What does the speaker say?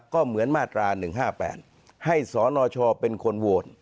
ก็เหมือนมาตรา๑๕๘ให้สนชเป็นคนโหวต